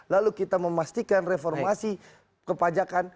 lalu kita memastikan reformasi ke pajakan